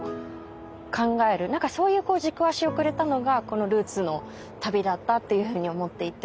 そういう軸足をくれたのがこのルーツの旅だったっていうふうに思っていて。